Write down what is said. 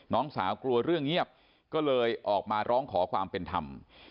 น้องสาวกลัวเรื่องเงียบก็เลยออกมาร้องขอความเป็นธรรม